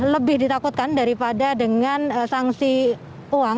lebih ditakutkan daripada dengan sanksi uang